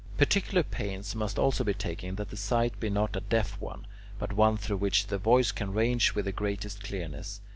Particular pains must also be taken that the site be not a "deaf" one, but one through which the voice can range with the greatest clearness.